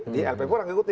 di lp pun orang ikuti